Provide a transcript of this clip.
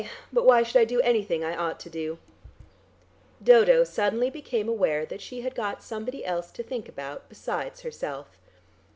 But why should I do anything I ought to do?" Dodo suddenly became aware that she had got somebody else to think about besides herself.